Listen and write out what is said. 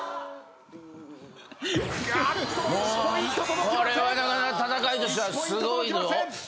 もうこれはなかなか戦いとしてはすごいぞ。